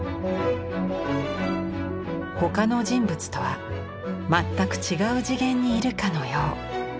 他の人物とは全く違う次元にいるかのよう。